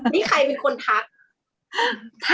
นี่ใครเป็นคนทัก